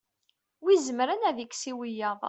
wi izemren ad ikkes i wiyaḍ